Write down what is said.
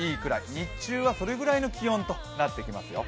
日中はそれぐらいの気温となってきますよ。